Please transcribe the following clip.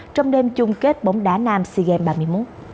trong đêm chung kết bóng đá nam seagame ba mươi một